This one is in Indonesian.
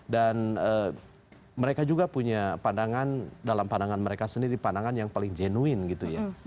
dan mereka juga punya pandangan dalam pandangan mereka sendiri pandangan yang paling genuin gitu ya